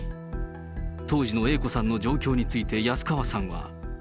当時のＡ子さんの状況について、安川さんは。